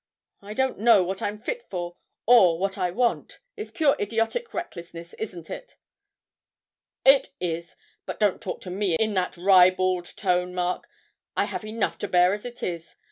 I don't know what I'm fit for or what I want; it's pure idiotic recklessness, isn't it?' 'It is; but don't talk to me in that ribald tone, Mark; I have enough to bear as it is.